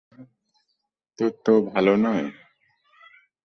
তা, তো ভালো না?